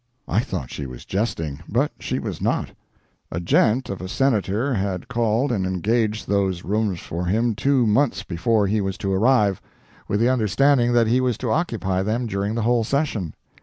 I thought she was jesting, but she was not. A gent of a Senator had called and engaged those rooms for him two months before he was to arrive—with the understanding that he was to occupy them during the whole session.